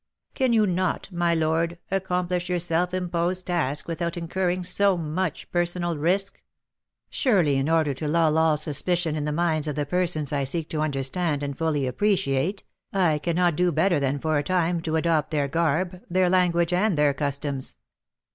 "Can you not, my lord, accomplish your self imposed task without incurring so much personal risk?" "Surely, in order to lull all suspicion in the minds of the persons I seek to understand and fully appreciate, I cannot do better than, for a time, to adopt their garb, their language, and their customs."